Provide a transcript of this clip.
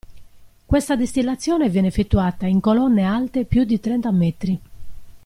Questa distillazione viene effettuata in colonne alte più di trenta metri.